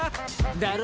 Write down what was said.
だろ？